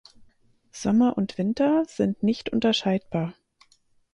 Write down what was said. Sommer und Winter sind nicht unterscheidbar.